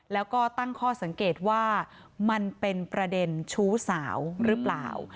แล้วก็ตั้งข้อสังเกตว่ามันเป็นประเด็นชู้สาวหรือเปล่า